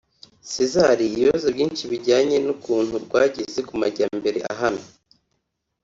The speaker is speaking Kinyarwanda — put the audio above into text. Cesar ibibazo byinshi bijyanye n’ukuntu rwageze ku majyambere ahamye